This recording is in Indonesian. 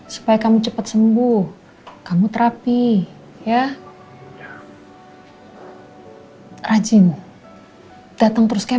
saya harus jahat jahat